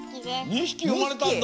２ひきうまれたんだ。